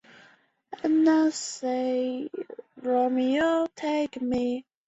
撒拉更怂其赶走夏甲母子。